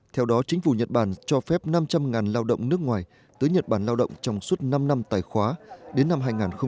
theo đó chính phủ nhật bản cho phép năm trăm linh lao động nước ngoài tới nhật bản lao động trong suốt năm năm tài khoá đến năm hai nghìn hai mươi